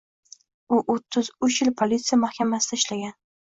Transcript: U o'ttiz uch yil politsiya mahkamasida ishlagan.